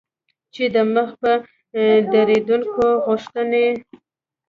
چې د مخ په ډیریدونکي غوښتنې